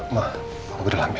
ma aku ke dalam ya